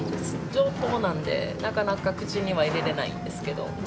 上等なので、なかなか口には入れれないんですけど。